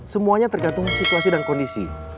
semuanya tergantung situasi dan kondisi